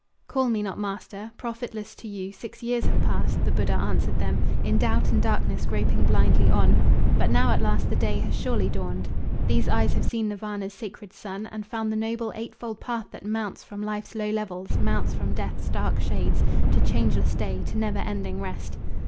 "Call me not master. Profitless to you Six years have passed," the Buddha answered them, "In doubt and darkness groping blindly on. But now at last the day has surely dawned. These eyes have seen Nirvana's sacred Sun, And found the noble eightfold path that mounts From life's low levels, mounts from death's dark shades To changeless day, to never ending rest."